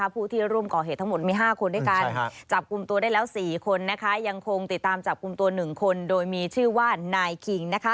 ผู้ที่ร่วมก่อเหตุทั้งหมดมี๕คนด้วยกันจับกลุ่มตัวได้แล้ว๔คนยังคงติดตามจับกลุ่มตัว๑คนโดยมีชื่อว่านายคิง